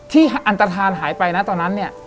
อันตฐานหายไปนะตอนนั้นเนี่ย